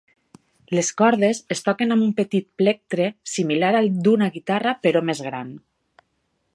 Les cordes es toquen amb un petit plectre similar al d'una guitarra però més gran.